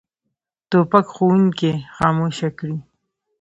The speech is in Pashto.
توپک ښوونکي خاموش کړي.